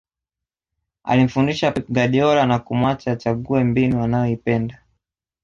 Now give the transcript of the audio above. alimfundisha pep guardiola na kumuacha achague mbinu anayoipenda